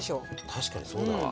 確かにそうだわ。